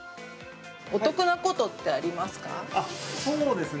お得なことってありますか？